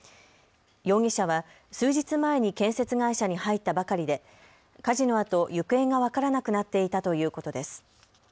容疑者は数日前に建設会社に入ったばかりで火事のあと行方が分からなくなっていたということです。